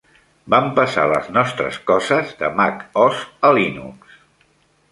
Vam passar les nostres coses de Mac OS a Linux.